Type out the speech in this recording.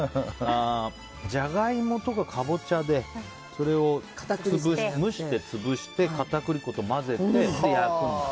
ジャガイモとかカボチャでそれを蒸して潰して片栗粉と混ぜて焼くんだ。